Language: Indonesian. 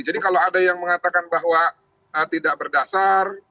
jadi kalau ada yang mengatakan bahwa tidak berdasar